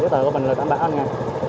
giấy tờ của mình là tạm bảo anh nha